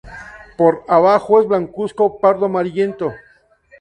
Por abajo es blancuzco pardo amarillento.